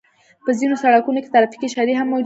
په ځينو سړکونو کې ترافيکي اشارې هم موجودې وي.